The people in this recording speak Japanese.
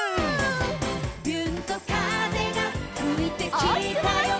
「びゅーんと風がふいてきたよ」